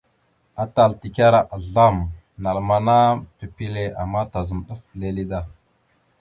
Atal tekara azlam (naləmana) pipile ama tazam ɗaf lele da.